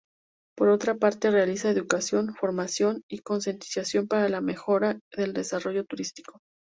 Por otra parte, realiza educación, formación y concientización para la mejora del desarrollo turístico.